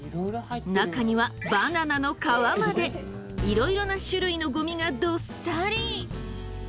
中にはバナナの皮までいろいろな種類のゴミがどっさり！